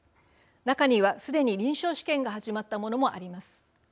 中には、すでに臨床試験が始まったものもあります。